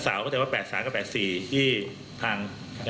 เสาแบบ๘๓กับ๘๔ที่พัง